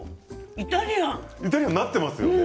イタリアンになっていますよね。